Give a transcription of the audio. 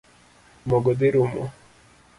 Mogo dhi rumo?